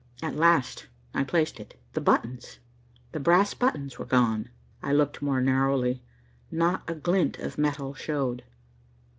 At last I placed it. The buttons, the brass buttons were gone. I looked more narrowly. Not a glint of metal showed.